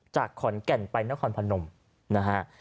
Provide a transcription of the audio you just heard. จากขอนแก่นไปนครพนมนะฮะ